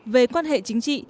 về quan hệ chính trị